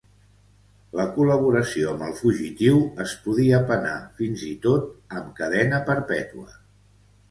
La col·laboració amb el fugitiu es podia penar fins i tot amb cadena perpètua.